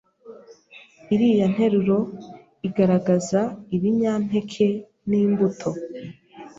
iriya nteruro igaragaza “ibinyampeke n’imbuto”